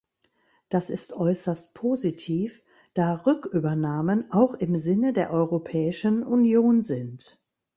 Das ist äußerst positiv, da Rückübernahmen auch im Sinne der Europäischen Union sind.